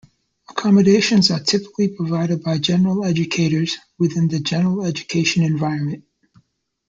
Accommodations are typically provided by general educators within the general education environment.